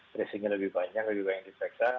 tracingnya lebih banyak lebih banyak diperiksa